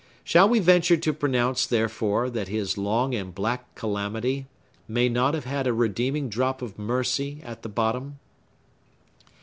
Shall we venture to pronounce, therefore, that his long and black calamity may not have had a redeeming drop of mercy at the bottom?